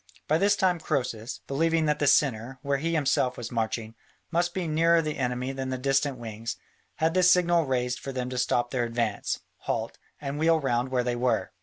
By this time Croesus, believing that the centre, where he himself was marching, must be nearer the enemy than the distant wings, had the signal raised for them to stop their advance, halt, and wheel round where they were.